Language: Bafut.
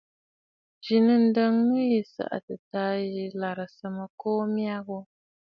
Zǐ nɨ̂ ǹdəŋnə jì sàʼàkə̀ tâ sɨ̀ larɨsə mɨkuu mya ghu.